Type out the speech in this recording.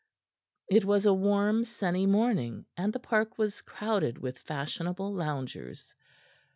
It was a warm, sunny morning, and the park was crowded with fashionable loungers.